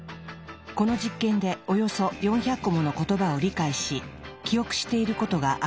この実験でおよそ４００個もの言葉を理解し記憶していることが明らかになった。